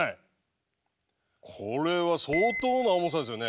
これは相当な重さですよね。